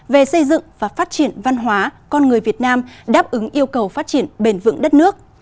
về xây dựng và phát triển văn hóa con người việt nam đáp ứng yêu cầu phát triển bền vững đất nước